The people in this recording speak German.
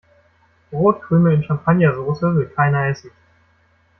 Brotkrümel in Champagnersoße will keiner essen.